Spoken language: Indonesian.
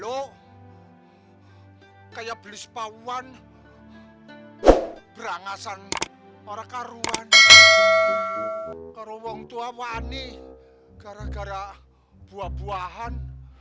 dok kayak beli sepauan berangasan para karuan kerowong tua wani gara gara buah buahan